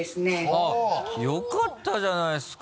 あぁよかったじゃないですか！